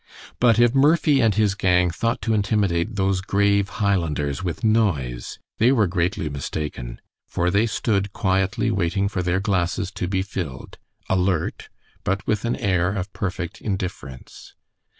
But if Murphy and his gang thought to intimidate those grave Highlanders with noise, they were greatly mistaken, for they stood quietly waiting for their glasses to be filled, alert, but with an air of perfect indifference.